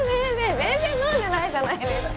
全然飲んでないじゃないですか